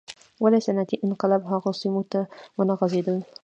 ولې صنعتي انقلاب هغو سیمو ته ونه غځېدل.